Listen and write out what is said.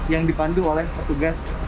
yang dipandu oleh petugas